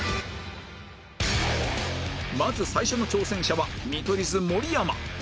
まず最初の挑戦者は見取り図盛山